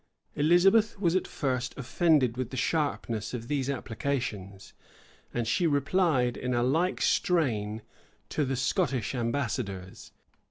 Elizabeth was at first offended with the sharpness of these applications; and she replied in a like strain to the Scottish ambassadors.